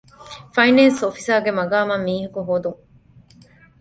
ފައިނޭންސް އޮފިސަރ ގެ މަޤާމަށް މީހަކު ހޯދުން.